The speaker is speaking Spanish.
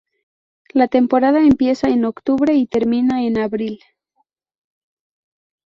La temporada empieza en octubre y termina en abril.